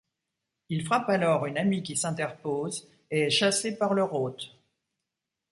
Il frappe alors une amie qui s'interpose et est chassé par leur hôte.